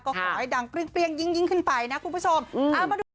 ก็ขอให้ดังเปรี้ยงยิ่งขึ้นไปนะคุณผู้ชมเอามาดู